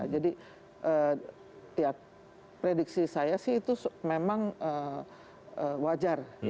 jadi prediksi saya sih itu memang wajar